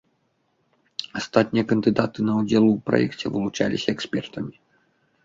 Астатнія кандыдаты на ўдзел у праекце вылучаліся экспертамі.